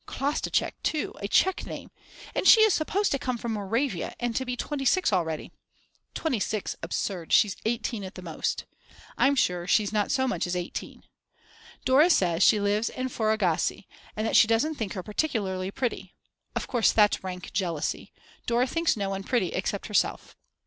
Klastoschek, too, a Czech name, and she is supposed to come from Moravia and to be 26 already; 26, absurd, she's 18 at most. I'm sure she's not so much as 18. Dora says she lives in Phorusgasse, and that she doesn't think her particularly pretty. Of course that's rank jealousy; Dora thinks no one pretty except herself.